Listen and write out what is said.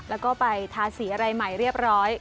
แล้วก็ไปทาสีอะไรใหม่เรียบร้อย